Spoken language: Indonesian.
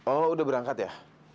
oh udah berangkat ya